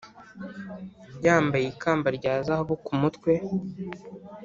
Yambaye ikamba rya zahabu ku mutwe